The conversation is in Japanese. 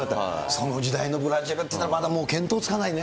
その時代のブラジルっていったら、まだもう見当つかないね。